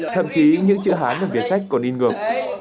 thậm chí những chữ hán ở phía sách còn in ngược